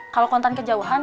kalau kontan kejauhan